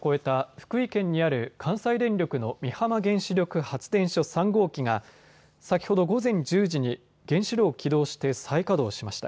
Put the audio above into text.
福井県にある関西電力の美浜原子力発電所３号機が先ほど午前１０時に原子炉を起動して再稼働しました。